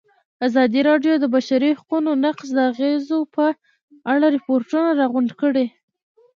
ازادي راډیو د د بشري حقونو نقض د اغېزو په اړه ریپوټونه راغونډ کړي.